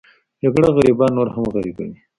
جګړه غریبان نور هم غریبوي